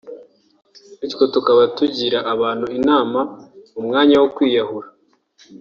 Bityo tukaba tugira abantu inama mu mwanya wo kwiyahura